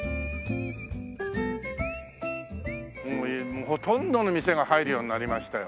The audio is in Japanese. もうほとんどの店が入るようになりましたよ。